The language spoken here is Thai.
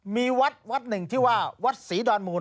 มีวัดวัดหนึ่งที่ว่าวัดศรีดอนมูล